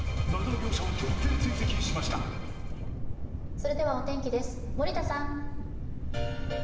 それではお天気です、森田さん。